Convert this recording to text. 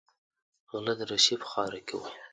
غله د روسیې په خاوره کې وو.